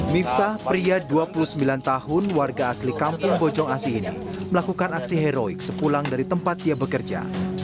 miftah pria dua puluh sembilan tahun warga asli kampung bojong asih ini melakukan aksi heroik sepulang dari tempat dia bekerja